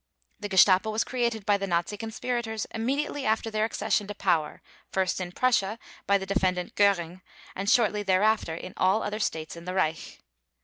The Gestapo was created by the Nazi conspirators immediately after their accession to power, first in Prussia by the Defendant GÖRING and shortly thereafter in all other states in the Reich.